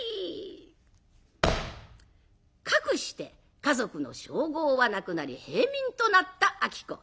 かくして華族の称号はなくなり平民となった子。